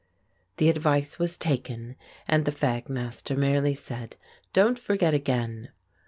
The advice was taken, and the fag master merely said: "Don't forget again."